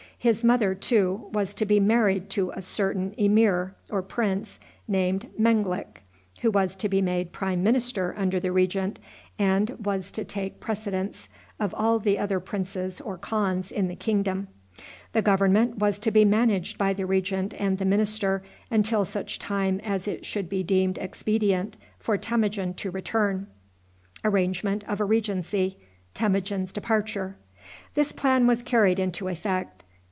His mother, too, was to be married to a certain emir, or prince, named Menglik, who was to be made prime minister under the regent, and was to take precedence of all the other princes or khans in the kingdom. The government was to be managed by the regent and the minister until such time as it should be deemed expedient for Temujin to return. This plan was carried into effect.